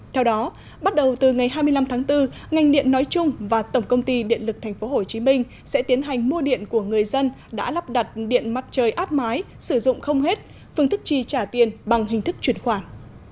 theo đó bắt đầu từ ngày hai mươi năm tháng bốn ngành điện nói chung và tổng công ty điện lực tp hcm sẽ tiến hành mua điện của người dân đã lắp đặt điện mặt trời áp mái sử dụng không hết phương thức chi trả tiền bằng hình thức chuyển khoản